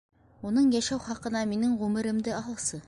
Уның йәшәү хаҡына минең ғүмеремде алсы!